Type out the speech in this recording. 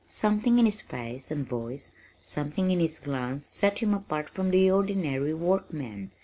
Something in his face and voice, something in his glance set him apart from the ordinary workman.